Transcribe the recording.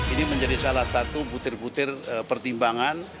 ini menjadi salah satu butir butir pertimbangan